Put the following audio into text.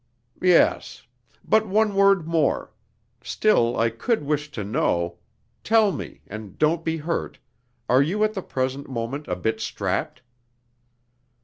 "Yes. But one word more.... Still, I could wish to know.... Tell me (and don't be hurt).... Are you at the present moment a bit strapped?"